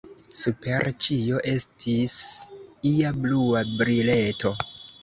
Super ĉio estis ia blua brileto.